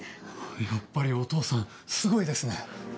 やっぱりお父さんすごいですね。